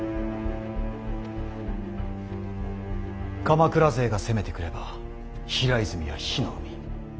鎌倉勢が攻めてくれば平泉は火の海。